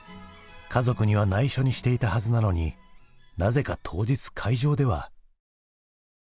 家族にはないしょにしていたはずなのになぜか当日会場では。